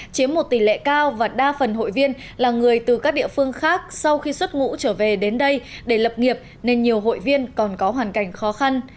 chiếm một tỷ lệ cao và đa phần hội viên là người từ các địa phương khác sau khi xuất ngũ trở về đến đây để lập nghiệp nên nhiều hội viên còn có hoàn cảnh khó khăn